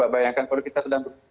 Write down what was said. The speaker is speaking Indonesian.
bayangkan kalau kita sedang